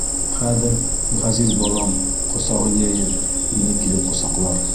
Хәҙер ғәзиз балам, ҡосағын йәйеп, мине килеп ҡосаҡлар.